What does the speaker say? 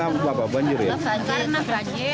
pasien besar menghidap sakit kulit